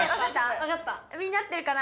みんな合ってるかな？